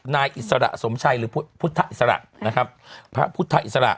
อิสระสมชัยหรือพุทธอิสระนะครับพระพุทธอิสระ